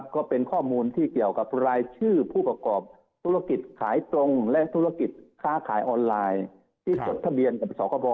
ก็เป็นข้อมูลที่เกี่ยวกับรายชื่อผู้ประกอบธุรกิจขายตรงและธุรกิจค้าขายออนไลน์ที่จดทะเบียนกับสคบ